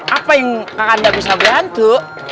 apa yang kakanda bisa berantu